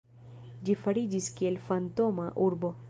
Ĝi fariĝis kiel fantoma urbo.